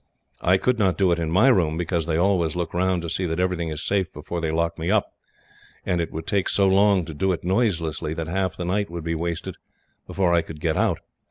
I could not do it in my room, because they always look round to see that everything is safe before they lock me up; and it would take so long to do it noiselessly that half the night would be wasted, before I could get out.